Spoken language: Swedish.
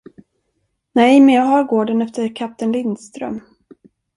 Nej, men jag har gården efter kapten Lindström.